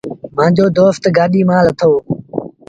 مآݩجو دوست گآڏيٚ مآݩ لٿو۔